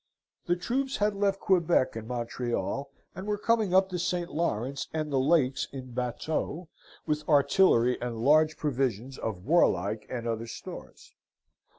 The troops had left Quebec and Montreal, and were coming up the St. Lawrence and the lakes in bateaux, with artillery and large provisions of warlike and other stores.